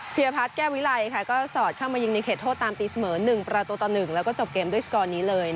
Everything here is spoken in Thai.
ยพัฒน์แก้ววิไลก็สอดเข้ามายิงในเขตโทษตามตีเสมอ๑ประตูต่อ๑แล้วก็จบเกมด้วยสกอร์นี้เลย